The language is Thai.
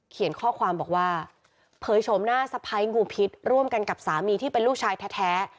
ข้อความบอกว่าเผยโฉมหน้าสะพ้ายงูพิษร่วมกันกับสามีที่เป็นลูกชายแท้